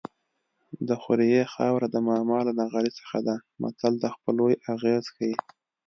د خوریي خاوره د ماما له نغري څخه ده متل د خپلوۍ اغېز ښيي